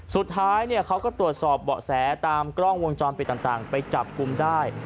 สุดท้ายเขาก็ตรวจสอบเบาะแสตามกล้องวงจรปิดต่างไปจับกลุ่มได้